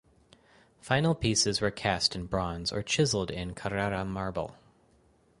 Final pieces were cast in bronze or chiseled in Carrara marble.